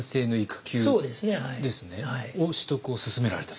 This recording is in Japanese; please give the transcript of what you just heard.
取得を進められたと。